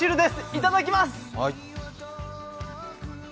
いただきます。